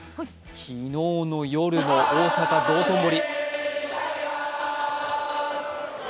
昨日の夜の大阪・道頓堀。